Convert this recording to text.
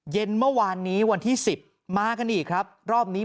เย็นเมื่อวานนี้วันที่๑๐มากันอีกครับรอบนี้